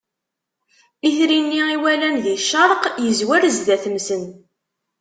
Itri-nni i walan di ccerq izwar zdat-nsen.